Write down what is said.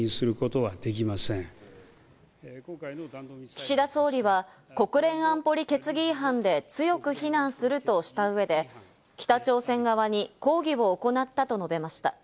岸田総理は、国連安保理決議違反で強く非難するとした上で、北朝鮮側に抗議を行ったと述べました。